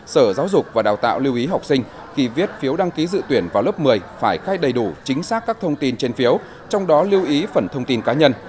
sở giáo dục và đào tạo lưu ý học sinh khi viết phiếu đăng ký dự tuyển vào lớp một mươi phải khai đầy đủ chính xác các thông tin trên phiếu trong đó lưu ý phần thông tin cá nhân